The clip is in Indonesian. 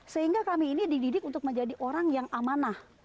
sehingga kami ini dididik untuk menjadi orang yang amanah